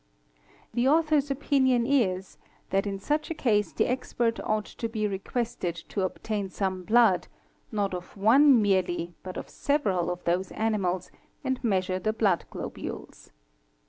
_ The author's opinion is that in such a case the expert ought to be requested to obtain some blood not of one merely but of several of those animals and measure the blood globules.